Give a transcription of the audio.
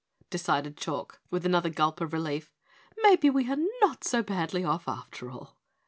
decided Chalk with another gulp of relief. "Maybe we are not so badly off, after all!"